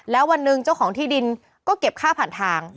แล้ววันหนึ่งเจ้าของที่ดินก็เก็บค่าผ่านทาง